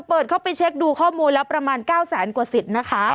เปิดเข้าไปเช็คดูข้อมูลแล้วประมาณ๙แสนกว่าสิทธิ์นะคะ